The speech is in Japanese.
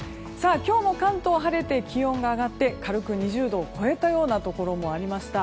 今日の関東、晴れて気温が上がって軽く２０度を超えたようなところもありました。